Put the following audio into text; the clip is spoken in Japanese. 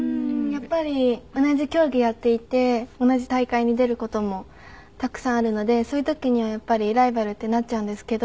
やっぱり同じ競技やっていて同じ大会に出る事もたくさんあるのでそういう時にはやっぱりライバルになっちゃうんですけど。